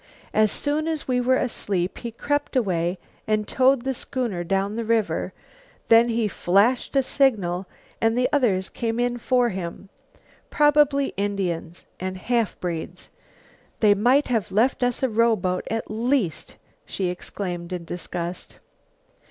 As soon as we were asleep, he crept away and towed the schooner down the river, then he flashed a signal and the others came in for him. Probably Indians and half breeds. They might have left us a rowboat, at least!" she exclaimed in disgust.